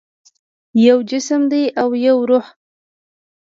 یو جسم دی او یو روح